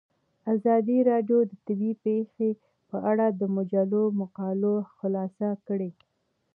ازادي راډیو د طبیعي پېښې په اړه د مجلو مقالو خلاصه کړې.